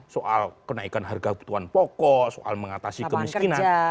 soal kenaikan harga kebutuhan pokok soal mengatasi kemiskinan